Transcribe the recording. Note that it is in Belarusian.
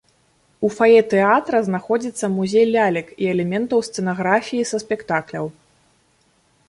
У фае тэатра знаходзіцца музей лялек і элементаў сцэнаграфіі са спектакляў.